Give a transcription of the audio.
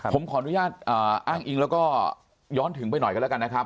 ผมขออนุญาตอ้างอิงแล้วก็ย้อนถึงไปหน่อยกันแล้วกันนะครับ